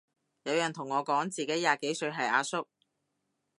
有人同我講自己廿幾歲係阿叔